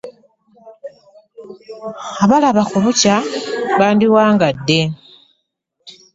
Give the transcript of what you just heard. Abalaba ku bukya baandiwagadde .